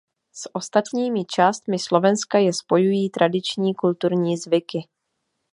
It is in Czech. S ostatními částmi Slovenska je spojují tradiční kulturní zvyky.